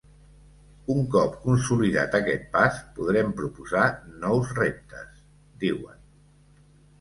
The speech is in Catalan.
Un cop consolidat aquest pas, podrem proposar nous reptes, diuen.